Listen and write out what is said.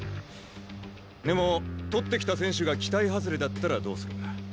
でも獲ってきた選手が期待外れだったらどうする？